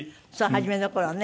初めの頃ね。